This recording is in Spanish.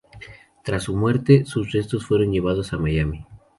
Tras su muerte, sus restos fueron llevados a Miami.